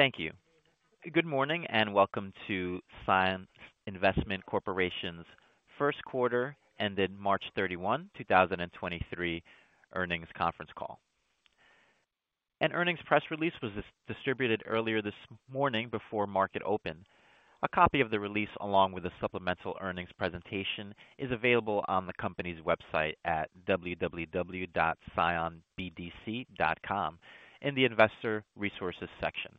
Thank you. Good morning, and welcome to CION Investment Corporation's first quarter ended March 31, 2023 earnings conference call. An earnings press release was distributed earlier this morning before market open. A copy of the release, along with the supplemental earnings presentation, is available on the company's website at www.cionbdc.com in the Investor Resources section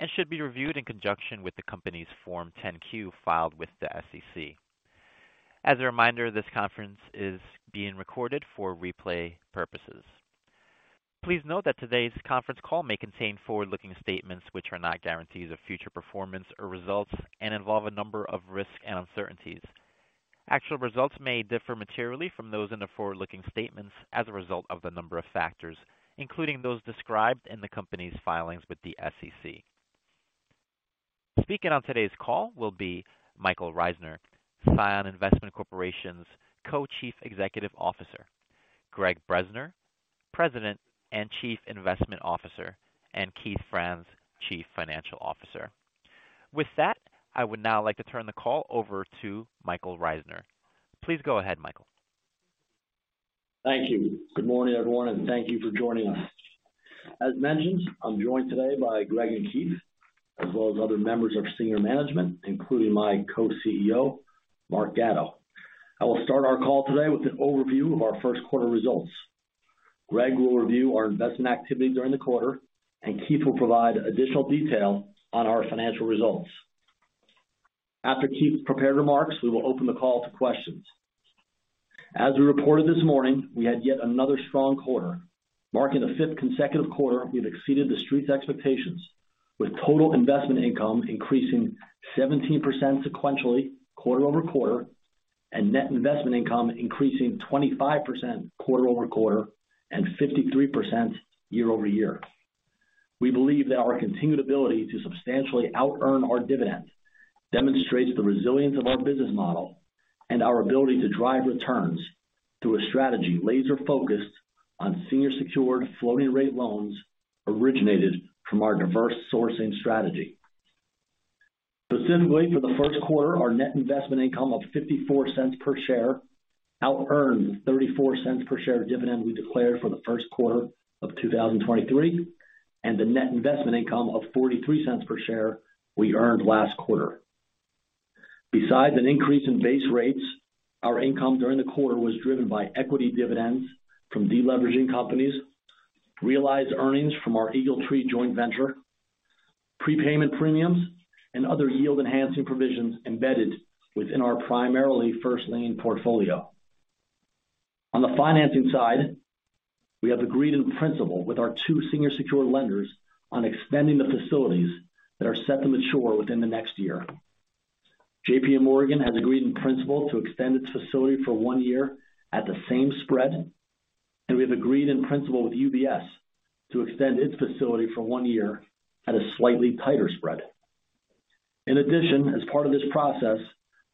and should be reviewed in conjunction with the company's Form 10-Q filed with the SEC. As a reminder, this conference is being recorded for replay purposes. Please note that today's conference call may contain forward-looking statements which are not guarantees of future performance or results and involve a number of risks and uncertainties. Actual results may differ materially from those in the forward-looking statements as a result of the number of factors, including those described in the company's filings with the SEC. Speaking on today's call will be Michael Reisner, CION Investment Corporation's Co-Chief Executive Officer, Gregg Bresner, President and Chief Investment Officer, and Keith Franz, Chief Financial Officer. I would now like to turn the call over to Michael Reisner. Please go ahead, Michael. Thank you. Good morning, everyone, and thank you for joining us. As mentioned, I'm joined today by Greg and Keith, as well as other members of senior management, including my Co-CEO, Mark Gatto. I will start our call today with an overview of our first quarter results. Greg will review our investment activity during the quarter, and Keith will provide additional detail on our financial results. After Keith's prepared remarks, we will open the call to questions. As we reported this morning, we had yet another strong quarter, marking the fifth consecutive quarter we've exceeded the Street's expectations, with total investment income increasing 17% sequentially quarter-over-quarter, and net investment income increasing 25% quarter-over-quarter and 53% year-over-year. We believe that our continued ability to substantially out earn our dividend demonstrates the resilience of our business model and our ability to drive returns through a strategy laser-focused on senior secured floating rate loans originated from our diverse sourcing strategy. Similarly, for the first quarter, our net investment income of $0.54 per share out earned the $0.34 per share dividend we declared for the first quarter of 2023, and the net investment income of $0.43 per share we earned last quarter. Besides an increase in base rates, our income during the quarter was driven by equity dividends from deleveraging companies, realized earnings from our EagleTree joint venture, prepayment premiums, and other yield-enhancing provisions embedded within our primarily first lien portfolio. On the financing side, we have agreed in principle with our two senior secured lenders on extending the facilities that are set to mature within the next year. JPMorgan has agreed in principle to extend its facility for one year at the same spread, and we have agreed in principle with UBS to extend its facility for one year at a slightly tighter spread. As part of this process,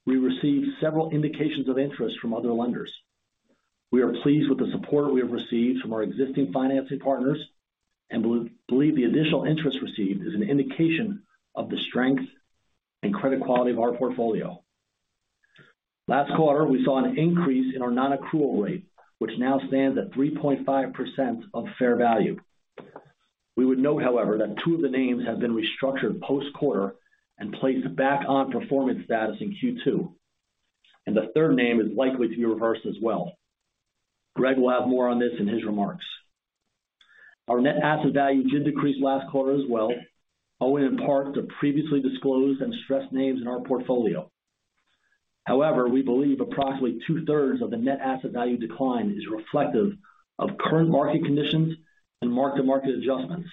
we received several indications of interest from other lenders. We are pleased with the support we have received from our existing financing partners and believe the additional interest received is an indication of the strength and credit quality of our portfolio. Last quarter, we saw an increase in our non-accrual rate, which now stands at 3.5% of fair value. We would note, however, that two of the names have been restructured post-quarter and placed back on performance status in Q2, and the third name is likely to be reversed as well. Greg will have more on this in his remarks. Our net asset value did decrease last quarter as well, owing in part to previously disclosed and stressed names in our portfolio. However, we believe approximately two-thirds of the net asset value decline is reflective of current market conditions and mark-to-market adjustments,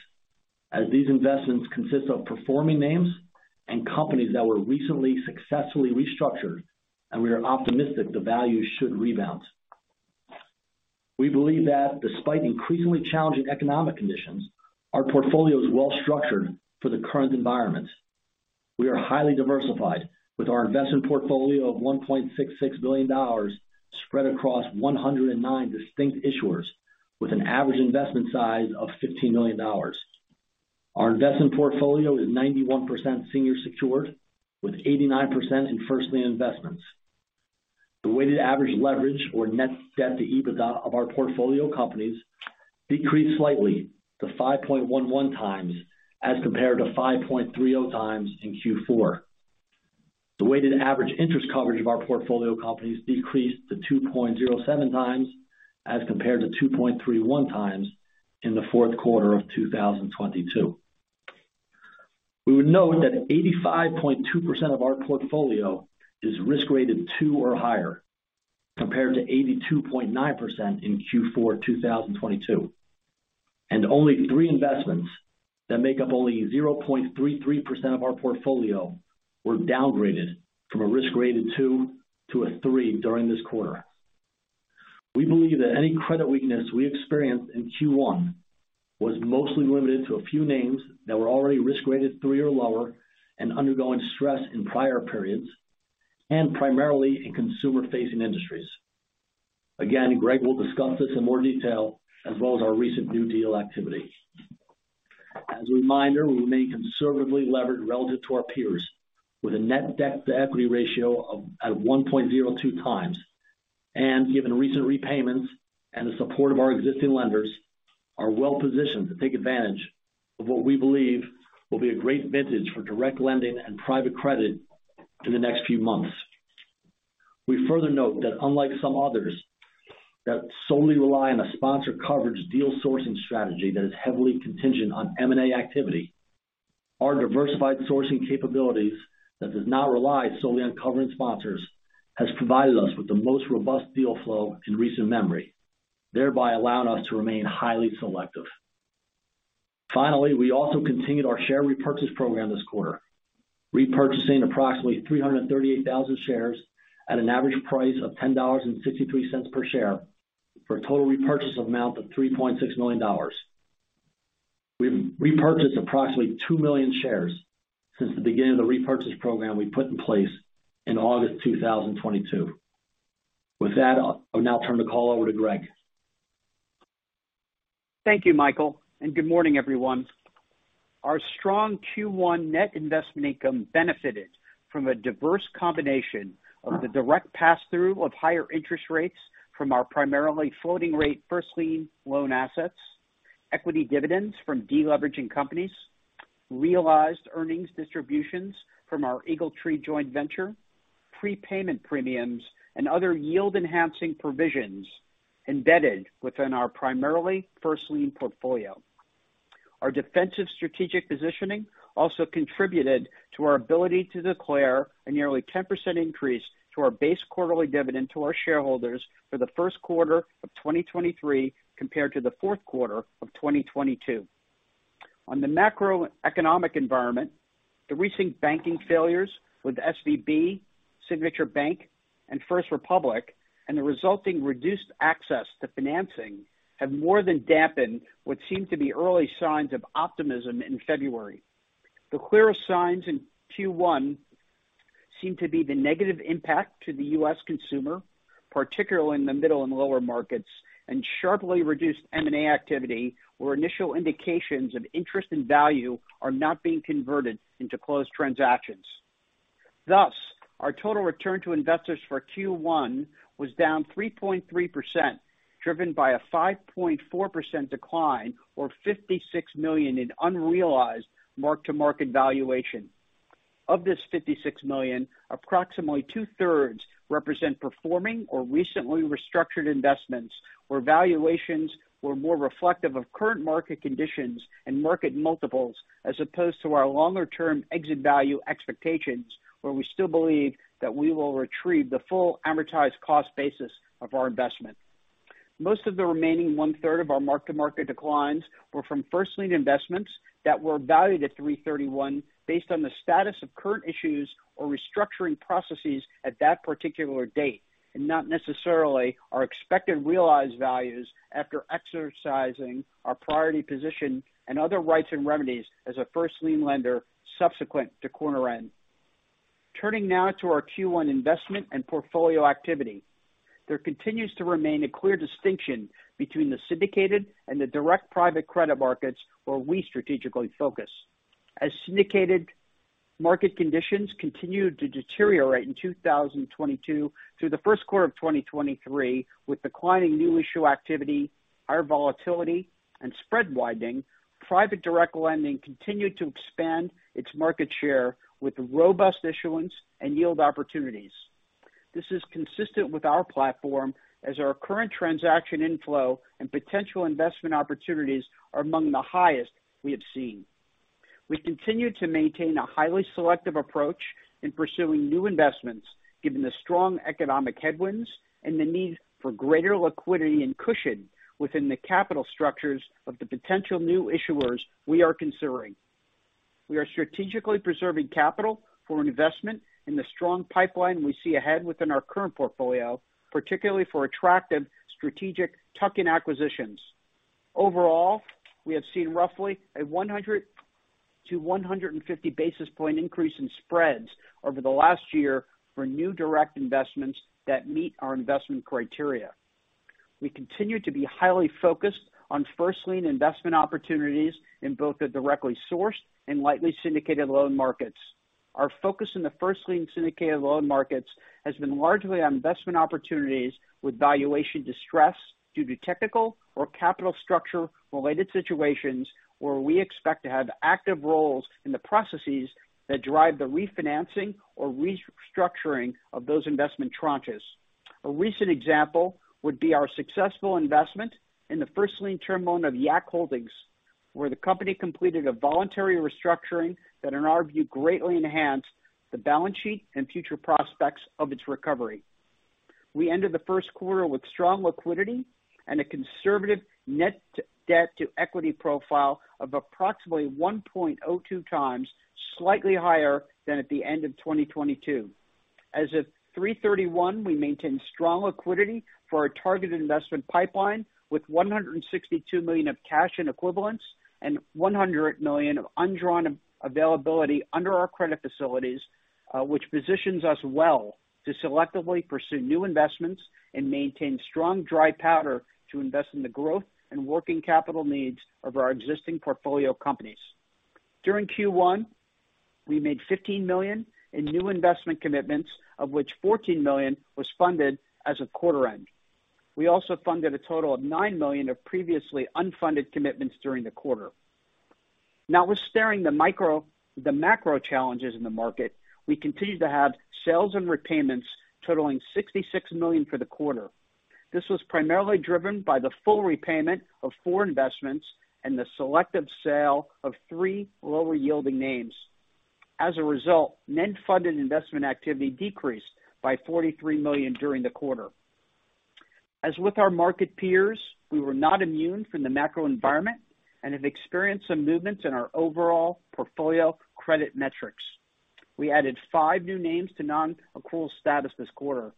as these investments consist of performing names and companies that were recently successfully restructured, and we are optimistic the value should rebound. We believe that despite increasingly challenging economic conditions, our portfolio is well-structured for the current environment. We are highly diversified with our investment portfolio of $1.66 billion spread across 109 distinct issuers with an average investment size of $15 million. Our investment portfolio is 91% senior secured with 89% in first lien investments. The weighted average leverage or net debt to EBITDA of our portfolio companies decreased slightly to 5.11 times as compared to 5.3 times in Q4. The weighted average interest coverage of our portfolio companies decreased to 2.07 times as compared to 2.31 times in the fourth quarter of 2022. We would note that 85.2% of our portfolio is risk rated 2 or higher, compared to 82.9% in Q4 2022. Only 3 investments that make up only 0.33% of our portfolio were downgraded from a risk rating 2 to a 3 during this quarter. We believe that any credit weakness we experienced in Q1 was mostly limited to a few names that were already risk rated 3 or lower and undergoing stress in prior periods, and primarily in consumer-facing industries. Again, Greg will discuss this in more detail as well as our recent new deal activity. As a reminder, we remain conservatively levered relative to our peers, with a net debt to equity ratio of, at 1.02 times. Given recent repayments and the support of our existing lenders, are well-positioned to take advantage of what we believe will be a great vintage for direct lending and private credit in the next few months. We further note that unlike some others that solely rely on a sponsor coverage deal sourcing strategy that is heavily contingent on M&A activity, our diversified sourcing capabilities that does not rely solely on covering sponsors, has provided us with the most robust deal flow in recent memory, thereby allowing us to remain highly selective. Finally, we also continued our share repurchase program this quarter, repurchasing approximately 338,000 shares at an average price of $10.63 per share for a total repurchase amount of $3.6 million. We've repurchased approximately 2 million shares since the beginning of the repurchase program we put in place in August 2022. With that, I'll now turn the call over to Greg. Thank you, Michael. Good morning, everyone. Our strong Q1 net investment income benefited from a diverse combination of the direct pass-through of higher interest rates from our primarily floating-rate first lien loan assets, equity dividends from deleveraging companies, realized earnings distributions from our EagleTree joint venture, prepayment premiums, and other yield-enhancing provisions embedded within our primarily first lien portfolio. Our defensive strategic positioning also contributed to our ability to declare a nearly 10% increase to our base quarterly dividend to our shareholders for the first quarter of 2023, compared to the fourth quarter of 2022. The macroeconomic environment, the recent banking failures with SVB, Signature Bank, and First Republic, and the resulting reduced access to financing have more than dampened what seemed to be early signs of optimism in February. The clearest signs in Q1 seem to be the negative impact to the U.S. consumer, particularly in the middle and lower markets, and sharply reduced M&A activity, where initial indications of interest and value are not being converted into closed transactions. Our total return to investors for Q1 was down 3.3%, driven by a 5.4% decline, or $56 million in unrealized mark-to-market valuation. Of this $56 million, approximately two-thirds represent performing or recently restructured investments, where valuations were more reflective of current market conditions and market multiples, as opposed to our longer-term exit value expectations, where we still believe that we will retrieve the full amortized cost basis of our investment. Most of the remaining one-third of our mark-to-market declines were from first lien investments that were valued at 3/31 based on the status of current issues or restructuring processes at that particular date, and not necessarily our expected realized values after exercising our priority position and other rights and remedies as a first lien lender subsequent to quarter end. Turning now to our Q1 investment and portfolio activity. There continues to remain a clear distinction between the syndicated and the direct private credit markets where we strategically focus. Syndicated market conditions continued to deteriorate in 2022 through the first quarter of 2023, with declining new issue activity, higher volatility, and spread widening, private direct lending continued to expand its market share with robust issuance and yield opportunities. This is consistent with our platform as our current transaction inflow and potential investment opportunities are among the highest we have seen. We continue to maintain a highly selective approach in pursuing new investments, given the strong economic headwinds and the need for greater liquidity and cushion within the capital structures of the potential new issuers we are considering. We are strategically preserving capital for investment in the strong pipeline we see ahead within our current portfolio, particularly for attractive strategic tuck-in acquisitions. Overall, we have seen roughly a 100-150 basis point increase in spreads over the last year for new direct investments that meet our investment criteria. We continue to be highly focused on first lien investment opportunities in both the directly sourced and lightly syndicated loan markets. Our focus in the first lien syndicated loan markets has been largely on investment opportunities with valuation distress due to technical or capital structure-related situations where we expect to have active roles in the processes that drive the refinancing or restructuring of those investment tranches. A recent example would be our successful investment in the first lien term loan of Yak Access, where the company completed a voluntary restructuring that, in our view, greatly enhanced the balance sheet and future prospects of its recovery. We ended the first quarter with strong liquidity and a conservative net debt to equity profile of approximately 1.02 times, slightly higher than at the end of 2022. As of 3/31, we maintain strong liquidity for our targeted investment pipeline with $162 million of cash and equivalents and $100 million of undrawn availability under our credit facilities, which positions us well to selectively pursue new investments and maintain strong dry powder to invest in the growth and working capital needs of our existing portfolio companies. During Q1, we made $15 million in new investment commitments, of which $14 million was funded as of quarter end. We also funded a total of $9 million of previously unfunded commitments during the quarter. Now, with steering the macro challenges in the market, we continued to have sales and repayments totaling $66 million for the quarter. This was primarily driven by the full repayment of four investments and the selective sale of three lower-yielding names. As a result, net funded investment activity decreased by $43 million during the quarter. As with our market peers, we were not immune from the macro environment and have experienced some movements in our overall portfolio credit metrics. We added five new names to non-accrual status this quarter.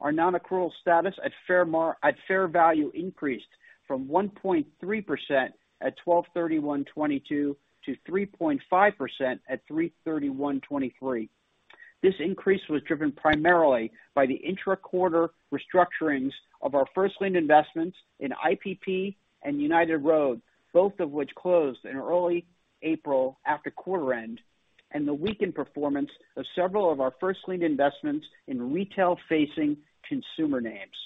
Our non-accrual status at fair value increased from 1.3% at 12/31/2022 to 3.5% at 3/31/2023. This increase was driven primarily by the intra-quarter restructurings of our first lien investments in IPP and United Road, both of which closed in early April after quarter end, and the weakened performance of several of our first lien investments in retail-facing consumer names.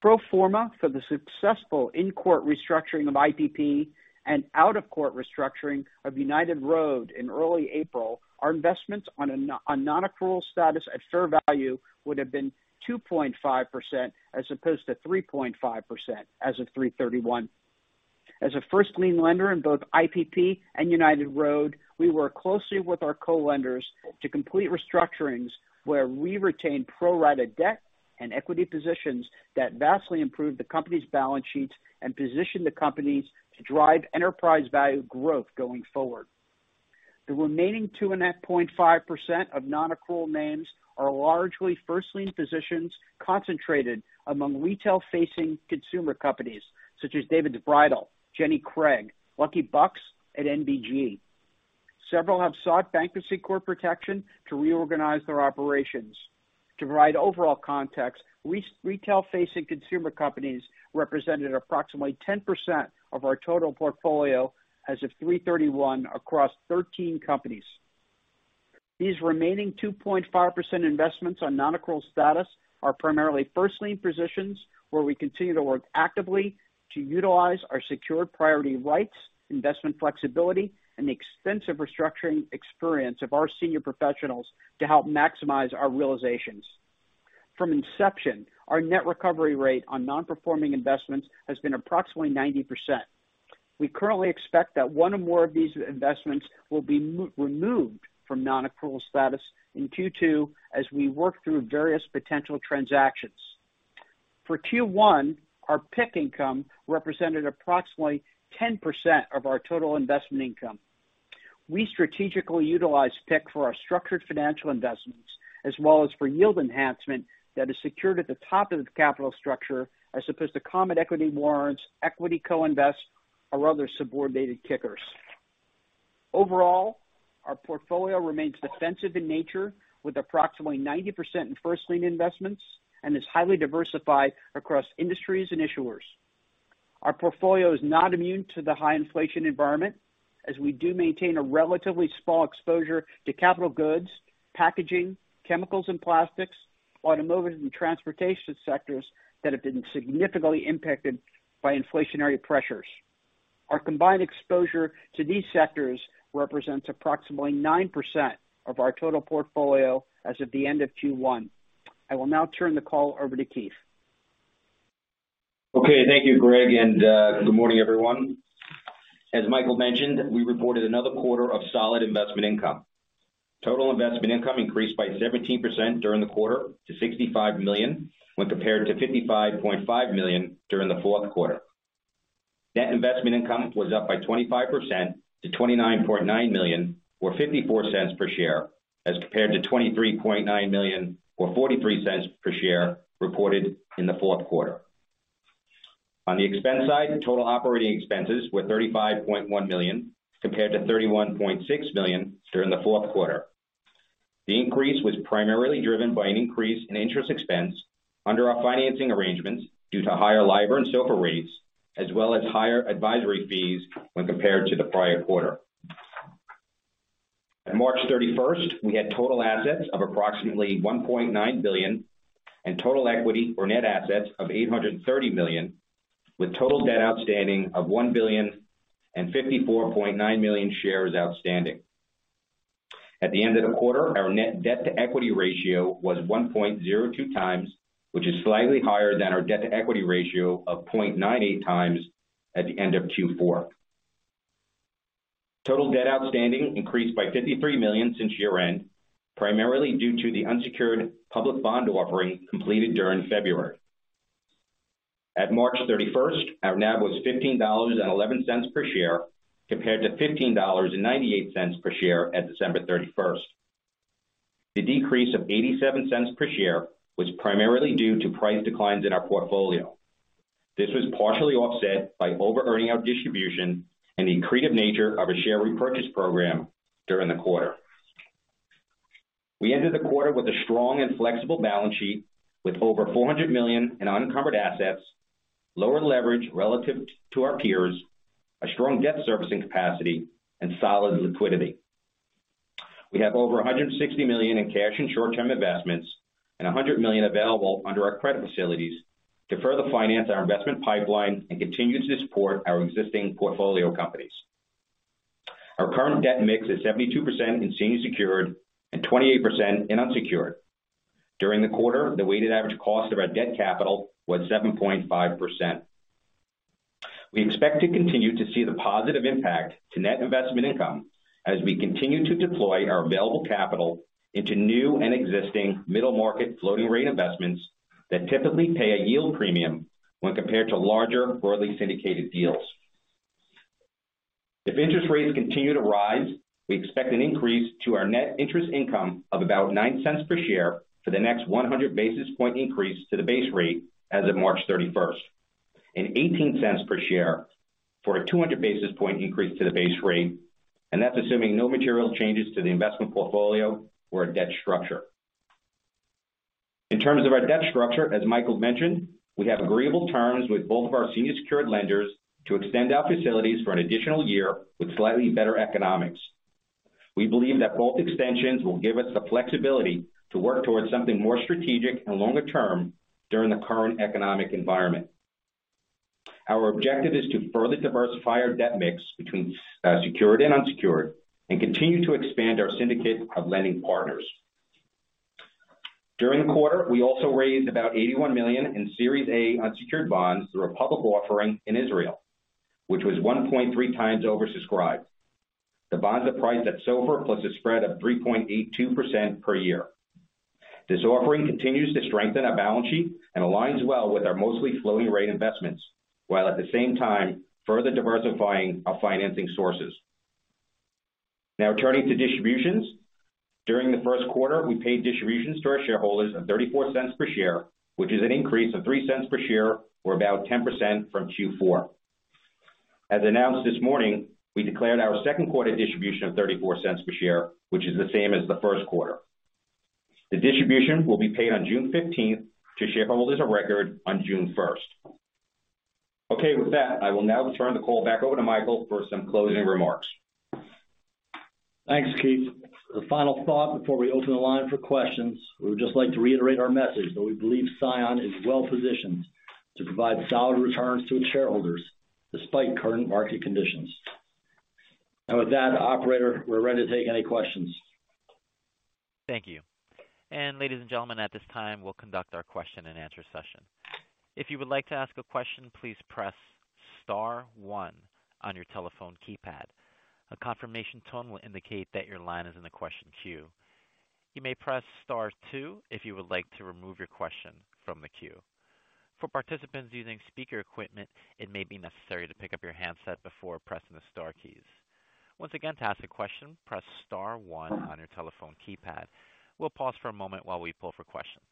Pro forma for the successful in-court restructuring of IPP and out-of-court restructuring of United Road in early April, our investments on a non-accrual status at fair value would have been 2.5% as opposed to 3.5% as of 3/31. As a first lien lender in both IPP and United Road, we work closely with our co-lenders to complete restructurings where we retain pro rata debt and equity positions that vastly improve the company's balance sheets and position the companies to drive enterprise value growth going forward. The remaining 2.5% of non-accrual names are largely first lien positions concentrated among retail-facing consumer companies such as David's Bridal, Jenny Craig, Lucky Bucks and NBG. Several have sought bankruptcy court protection to reorganize their operations. To provide overall context, retail-facing consumer companies represented approximately 10% of our total portfolio as of 3/31 across 13 companies. These remaining 2.5% investments on non-accrual status are primarily first lien positions, where we continue to work actively to utilize our secured priority rights, investment flexibility, and the extensive restructuring experience of our senior professionals to help maximize our realizations. From inception, our net recovery rate on non-performing investments has been approximately 90%. We currently expect that one or more of these investments will be removed from non-accrual status in Q2 as we work through various potential transactions. For Q1, our PIK income represented approximately 10% of our total investment income. We strategically utilize PIK for our structured financial investments, as well as for yield enhancement that is secured at the top of the capital structure as opposed to common equity warrants, equity co-invest or other subordinated kickers. Overall, our portfolio remains defensive in nature with approximately 90% in first lien investments and is highly diversified across industries and issuers. Our portfolio is not immune to the high inflation environment, as we do maintain a relatively small exposure to capital goods, packaging, chemicals and plastics, automotive and transportation sectors that have been significantly impacted by inflationary pressures. Our combined exposure to these sectors represents approximately 9% of our total portfolio as of the end of Q1. I will now turn the call over to Keith. Okay. Thank you, Greg, and good morning, everyone. As Michael mentioned, we reported another quarter of solid investment income. Total investment income increased by 17% during the quarter to $65 million when compared to $55.5 million during the fourth quarter. Net investment income was up by 25% to $29.9 million or $0.54 per share as compared to $23.9 million or $0.43 per share reported in the fourth quarter. On the expense side, total operating expenses were $35.1 million compared to $31.6 million during the fourth quarter. The increase was primarily driven by an increase in interest expense under our financing arrangements due to higher LIBOR and SOFR rates, as well as higher advisory fees when compared to the prior quarter. At March 31st, we had total assets of approximately $1.9 billion and total equity or net assets of $830 million, with total debt outstanding of $1 billion and 54.9 million shares outstanding. At the end of the quarter, our net debt-to-equity ratio was 1.02 times, which is slightly higher than our debt-to-equity ratio of 0.98 times at the end of Q4. Total debt outstanding increased by $53 million since year-end, primarily due to the unsecured public bond offering completed during February. At March 31st, our NAV was $15.11 per share, compared to $15.98 per share at December 31st. The decrease of $0.87 per share was primarily due to price declines in our portfolio. This was partially offset by over earning our distribution and the accretive nature of a share repurchase program during the quarter. We ended the quarter with a strong and flexible balance sheet with over $400 million in unencumbered assets, lower leverage relative to our peers, a strong debt servicing capacity, and solid liquidity. We have over $160 million in cash and short-term investments and $100 million available under our credit facilities to further finance our investment pipeline and continue to support our existing portfolio companies. Our current debt mix is 72% in senior secured and 28% in unsecured. During the quarter, the weighted average cost of our debt capital was 7.5%. We expect to continue to see the positive impact to net investment income as we continue to deploy our available capital into new and existing middle market floating rate investments that typically pay a yield premium when compared to larger broadly syndicated deals. If interest rates continue to rise, we expect an increase to our net interest income of about $0.09 per share for the next 100 basis point increase to the base rate as of March 31st, and $0.18 per share for a 200 basis point increase to the base rate, and that's assuming no material changes to the investment portfolio or our debt structure. In terms of our debt structure, as Michael mentioned, we have agreeable terms with both of our senior secured lenders to extend our facilities for an additional year with slightly better economics. We believe that both extensions will give us the flexibility to work towards something more strategic and longer term during the current economic environment. Our objective is to further diversify our debt mix between secured and unsecured and continue to expand our syndicate of lending partners. During the quarter, we also raised about 81 million in Series A unsecured bonds through a public offering in Israel, which was 1.3 times oversubscribed. The bonds are priced at SOFR plus a spread of 3.82% per year. This offering continues to strengthen our balance sheet and aligns well with our mostly floating rate investments, while at the same time further diversifying our financing sources. Turning to distributions. During the first quarter, we paid distributions to our shareholders of $0.34 per share, which is an increase of $0.03 per share or about 10% from Q4. As announced this morning, we declared our second quarter distribution of $0.34 per share, which is the same as the first quarter. The distribution will be paid on June 15th to shareholders of record on June 1st. Okay. With that, I will now turn the call back over to Michael for some closing remarks. Thanks, Keith. The final thought before we open the line for questions. We would just like to reiterate our message that we believe CION is well positioned to provide solid returns to its shareholders despite current market conditions. With that, operator, we're ready to take any questions. Thank you. Ladies and gentlemen, at this time we'll conduct our question-and-answer session. If you would like to ask a question, please press star one on your telephone keypad. A confirmation tone will indicate that your line is in the question queue. You may press star two if you would like to remove your question from the queue. For participants using speaker equipment, it may be necessary to pick up your handset before pressing the star keys. Once again, to ask a question, press star one on your telephone keypad. We'll pause for a moment while we pull for questions.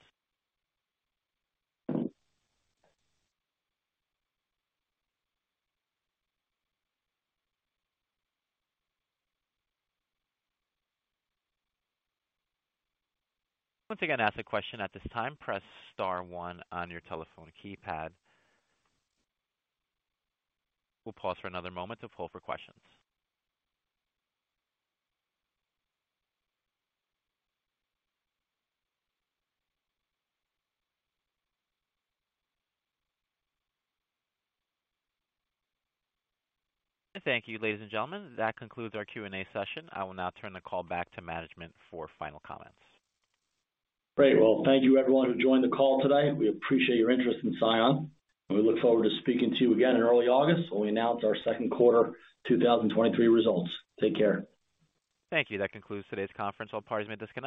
Once again, to ask a question at this time, press star one on your telephone keypad. We'll pause for another moment to pull for questions. Thank you, ladies and gentlemen. That concludes our Q&A session. I will now turn the call back to management for final comments. Great. Well, thank you everyone who joined the call today. We appreciate your interest in CION, and we look forward to speaking to you again in early August when we announce our second quarter 2023 results. Take care. Thank you. That concludes today's conference. All parties may disconnect.